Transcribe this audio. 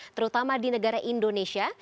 terutama di negara indonesia